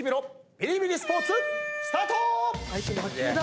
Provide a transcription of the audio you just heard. ビリビリスポーツスタート！